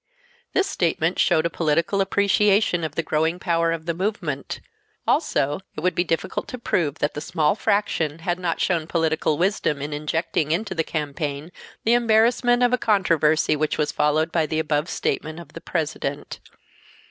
This statement showed a political appreciation of the growing power of the movement. Also it would be difficult to prove that the "small fraction" had not shown political wisdom in injecting into the campaign the embarrassment of a controversy which was followed by the above statement of *the President.